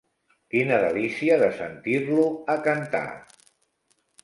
Quina delícia, de sentir-lo a cantar!